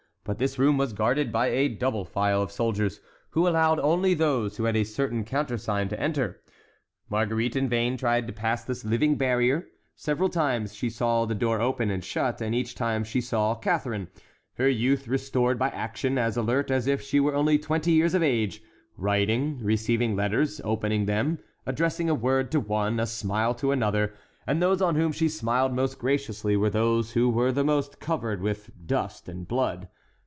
But this room was guarded by a double file of soldiers, who allowed only those who had a certain countersign to enter. Marguerite in vain tried to pass this living barrier; several times she saw the door open and shut, and each time she saw Catharine, her youth restored by action, as alert as if she were only twenty years of age, writing, receiving letters, opening them, addressing a word to one, a smile to another; and those on whom she smiled most graciously were those who were the most covered with dust and blood.